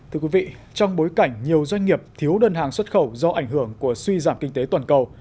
thưa quý vị trong bối cảnh nhiều doanh nghiệp thiếu đơn hàng xuất khẩu do ảnh hưởng của suy giảm kinh tế toàn cầu